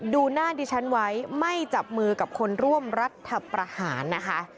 ดูหน้าดิฉันไว้ไม่จับมือกับคนร่วมรัฐประหารนะคะ